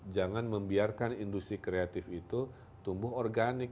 jangan membiarkan industri kreatif itu tumbuh organik